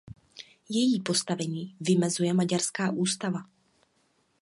Její postavení vymezuje maďarská ústava.